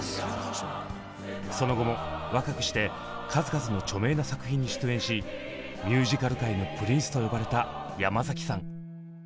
その後も若くして数々の著名な作品に出演し「ミュージカル界のプリンス」と呼ばれた山崎さん。